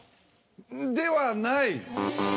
ではない！